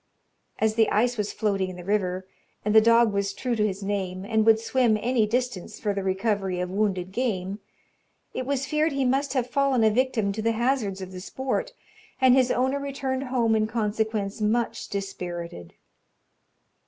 As the ice was floating in the river, and the dog was true to his name, and would swim any distance for the recovery of wounded game, it was feared he must have fallen a victim to the hazards of the sport, and his owner returned home in consequence much dispirited.